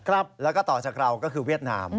ครับแล้วก็ต่อจากเราก็คือเวียดนาม